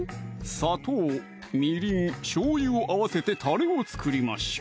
砂糖・みりん・しょうゆを合わせてたれを作りましょう！